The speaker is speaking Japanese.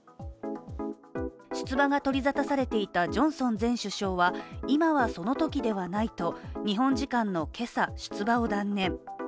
出馬が取り沙汰されていたジョンソン前首相は今はその時ではないと日本時間の今朝出馬を断念。